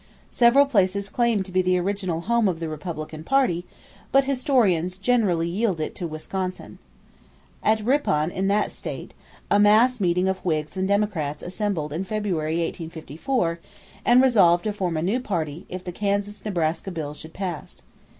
Several places claim to be the original home of the Republican party; but historians generally yield it to Wisconsin. At Ripon in that state, a mass meeting of Whigs and Democrats assembled in February, 1854, and resolved to form a new party if the Kansas Nebraska Bill should pass.